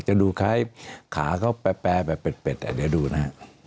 จะดูคล้ายขาเขาแปรแบบเป็ดเดี๋ยวดูนะฮะ